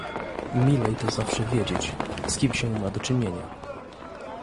"Milej to zawsze wiedzieć, z kim się ma do czynienia."